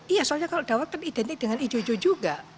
iya soalnya kalau dawat kan identik dengan ijo ijo juga